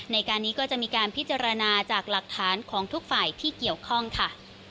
ในการนี้ก็จะมีการพิจารณาจากหลักฐานของทุกฝ่ายที่เกี่ยวข้องค่ะ